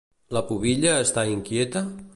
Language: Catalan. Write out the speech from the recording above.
La pubilla està inquieta?